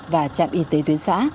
và trạm y tế tuyến xã